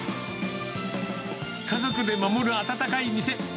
家族で守る温かい店。